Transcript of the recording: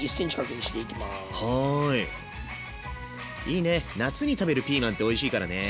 いいね夏に食べるピーマンっておいしいからね。